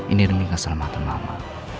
ini demi keselamatan mama